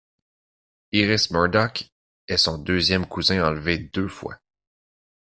Iris Murdoch est son deuxième cousin enlevé deux fois.